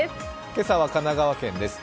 今朝は神奈川県です。